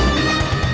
lo sudah bisa berhenti